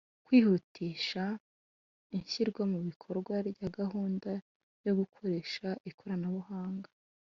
Kwihutisha ishyirwa mu bikorwa rya gahunda yo gukoresha ikoranabuhanga